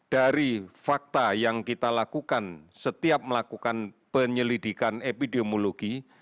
dari fakta yang kita lakukan setiap melakukan penyelidikan epidemiologi